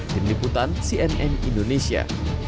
diliputan cnn indonesia